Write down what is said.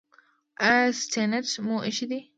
ایا سټنټ مو ایښی دی؟